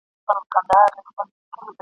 خپل ګودر ورته عادت وي ورښودلی ..